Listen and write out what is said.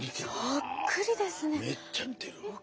そっくりですね。